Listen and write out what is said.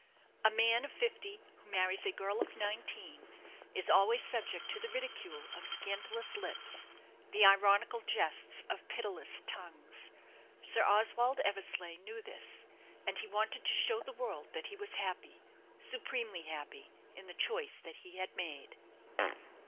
A man of fifty who marries a girl of nineteen is always subject to the ridicule of scandalous lips, the ironical jests of pitiless tongues. Sir Oswald Eversleigh knew this, and he wanted to show the world that he was happy supremely happy in the choice that he had made.